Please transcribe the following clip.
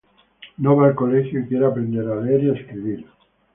No va al colegio y quiere aprender a leer y a escribir.